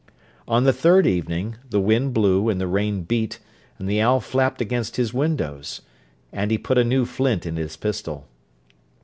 On the third evening, the wind blew, and the rain beat, and the owl flapped against his windows; and he put a new flint in his pistol.